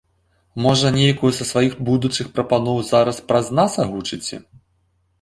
Можа, нейкую са сваіх будучых прапаноў зараз праз нас агучыце?